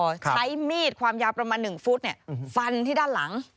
ใช้มีดความยาวประมาณ๑ฟุตฟันที่ด้านหลัง